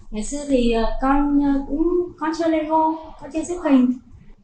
ngày xưa thì con chơi lego con chơi xích hình